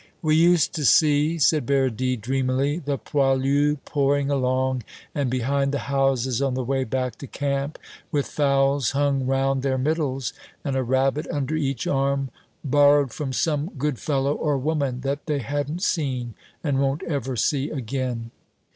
"We used to see," said Paradis dreamily, "the poilus pouring along and behind the houses on the way back to camp with fowls hung round their middles, and a rabbit under each arm, borrowed from some good fellow or woman that they hadn't seen and won't ever see again."